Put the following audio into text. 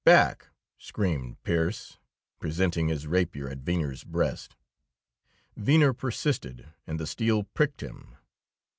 "Back!" screamed Pearse, presenting his rapier at Venner's breast. Venner persisted, and the steel pricked him.